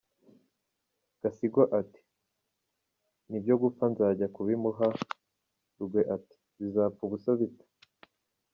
Gasigwa ati``ni byo gupfa nzajya kubimuha’’ Rugwe ati``bizapfa ubusa bite?’’.